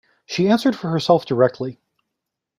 She answered for herself directly.